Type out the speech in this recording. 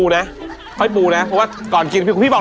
เห้ยพูดเข้าไฟจริง